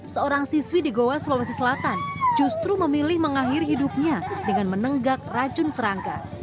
seorang siswi di goa sulawesi selatan justru memilih mengakhiri hidupnya dengan menenggak racun serangka